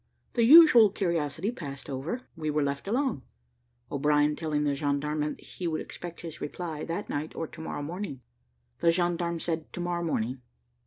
The usual curiosity passed over, we were left alone, O'Brien telling the gendarme that he would expect his reply that night or to morrow morning. The gendarme said, to morrow morning.